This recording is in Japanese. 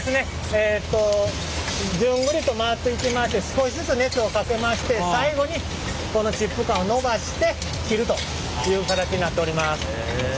えっと順繰りと回っていきまして少しずつ熱をかけまして最後にこのチップ管を伸ばして切るという形になっております。